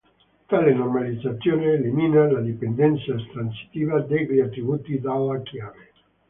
Tale normalizzazione elimina la dipendenza transitiva degli attributi dalla chiave.